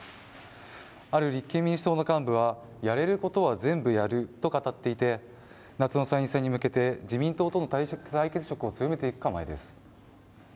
ある立憲民主党の幹部は、やれることは全部やると語っていて、夏の参院選に向けて、自民党との対決色を強めていく構えです。